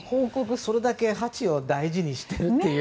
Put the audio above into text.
それだけハチを大事にしている。